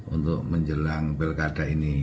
untuk menjelang pilkada ini